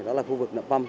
đó là khu vực nặng băm